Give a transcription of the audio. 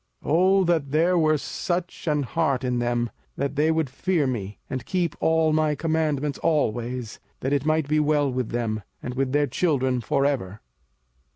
05:005:029 O that there were such an heart in them, that they would fear me, and keep all my commandments always, that it might be well with them, and with their children for ever!